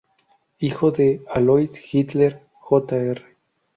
Hijo de Alois Hitler Jr.